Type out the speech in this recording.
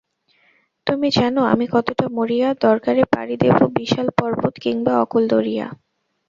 তুমি জানো আমি কতটা মরিয়া, দরকারে পাড়ি দেবো বিশাল পর্বত কিংবা অকূল দরিয়া।